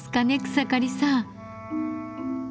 草刈さん。